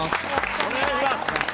お願いします。